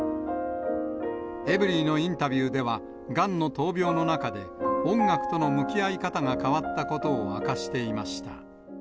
エブリィのインタビューでは、がんの闘病の中で、音楽との向き合い方が変わったことを明かしていました。